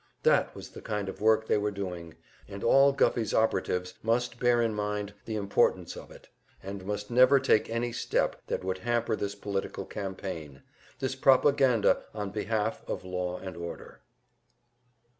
That was the kind of work they were doing, and all Guffey's operatives must bear in mind the importance of it, and must never take any step that would hamper this political campaign, this propaganda on behalf of law and order.